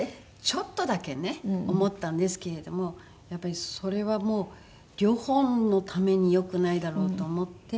ちょっとだけね思ったんですけれどもやっぱりそれはもう両方のために良くないだろうと思って。